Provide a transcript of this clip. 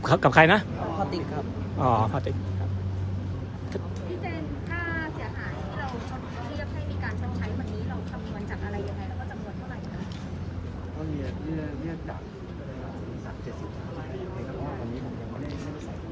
กับกับใครนะอ๋อพอร์ติกครับอ๋อพอร์ติกครับ